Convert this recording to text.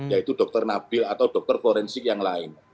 yaitu dr nabil atau dr forensik yang lain